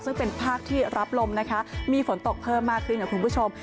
ซึ่งเป็นภาคที่รับลมมีฝนตกเพิ่มมากขึ้น